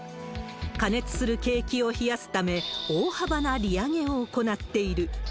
過熱する景気を冷やすため、大幅な利上げを行っている。